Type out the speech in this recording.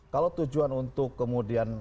kalau tujuan untuk kemudian